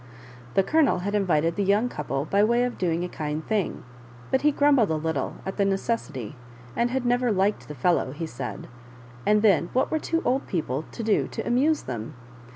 The Colonel had invited the young couple by way of doing a kind thing, but he grumbled a little at the necessity, and had never liked the fellow, he said — and then what were two old people to do to amuse them